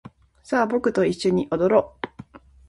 さあ僕と一緒に踊ろう